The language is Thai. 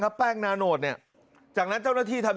หาวหาวหาวหาวหาวหาวหาวหาวหาว